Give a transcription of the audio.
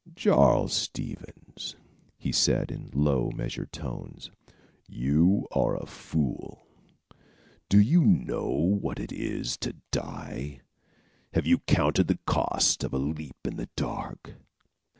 "Charles Stevens," he said in low measured tones, "you are a fool. Do you know what it is to die? Have you counted the cost of a leap in the dark?"